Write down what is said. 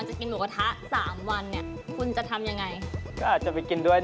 เชิญพบกับสาวสดของเราได้เลย